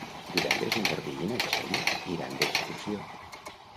Divendres en Garbí i na Txell iran d'excursió.